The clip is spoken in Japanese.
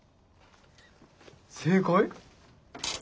正解？